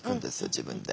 自分で。